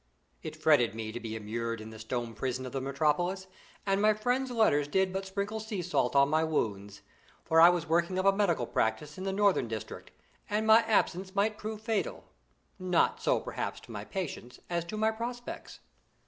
It fretted me to be immured in the stone prison of the metropolis, and my friends' letters did but sprinkle sea salt on my wounds; for I was working up a medical practice in the northern district, and my absence might prove fatal not so much, perhaps, to my patients as to my prospects.